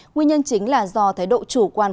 nguyên nhân chính là do thái độ chủ quan